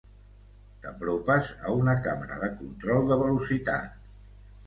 T'apropes a una càmera de control de velocitat.